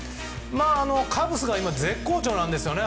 カブスが絶好調なんですよね。